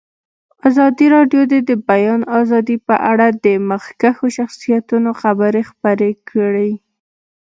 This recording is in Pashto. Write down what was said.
ازادي راډیو د د بیان آزادي په اړه د مخکښو شخصیتونو خبرې خپرې کړي.